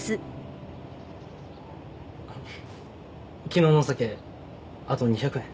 昨日のお酒あと２００円。